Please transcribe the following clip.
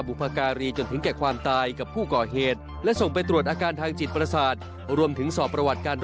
ไม่มีครับเขาบอกว่าผมจะทำเขาก่อนครับ